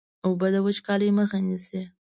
اوبه د وچکالۍ مخه نیسي.